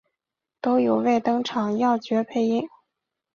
都有为登场要角配音。